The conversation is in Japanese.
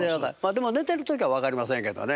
でも寝てる時は分かりませんけどね。